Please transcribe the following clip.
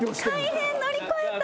改編乗り越えた！